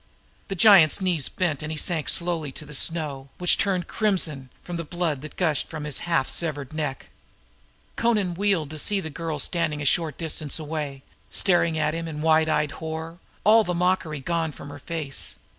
The giant's knees bent and he sank slowly into the snow which turned crimson with the blood that gushed from his half severed neck. Amra wheeled, to see the girl standing a short distance away, staring in wide eyed horror, all mockery gone from her face.